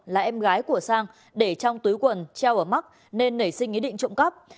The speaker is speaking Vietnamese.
là em gái của sang để trong túi quần treo ở mắc nên nảy sinh ý định trộm cắp